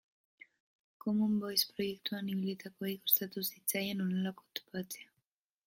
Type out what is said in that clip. Common Voice proiektuan ibilitakoei kostatu zitzaien honelakoak topatzea.